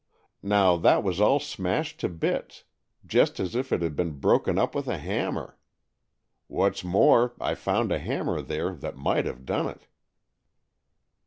Now that was all smashed to bits, just as if it had been broken up with a hammer. What's more, I found a hammer there that might have done it."